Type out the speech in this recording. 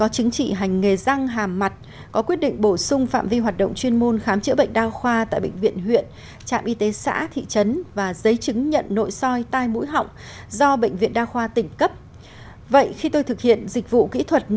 xin chào luật sư cảm ơn luật sư đã nhận lời tham gia